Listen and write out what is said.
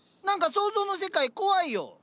何か想像の世界怖いよ。